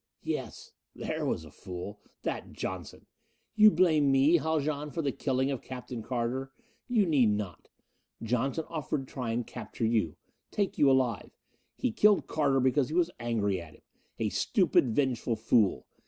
"Yes. There was a fool! That Johnson! You blame me, Haljan, for the killing of Captain Carter? You need not. Johnson offered to try and capture you. Take you alive. He killed Carter because he was angry at him. A stupid, vengeful fool!